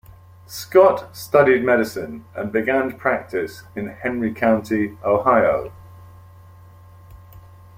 Scott studied medicine and began practice in Henry County, Ohio.